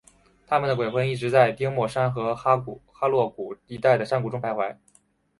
他们的鬼魂一直在丁默山和哈洛谷一带的山谷中徘徊。